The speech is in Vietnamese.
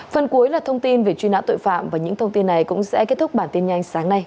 phần cuối là thông tin về truy nã tội phạm và những thông tin này cũng sẽ kết thúc bản tin nhanh sáng nay